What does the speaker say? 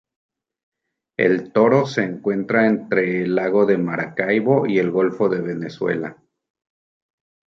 El Toro se localiza entre el lago de Maracaibo y el golfo de Venezuela.